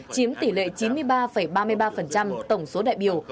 chiếm tỷ lệ chín mươi ba ba mươi ba tổng số đại biểu